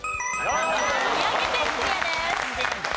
宮城県クリアです。